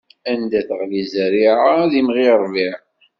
Anda teɣli zzerriɛa, ad imɣi ṛṛbiɛ.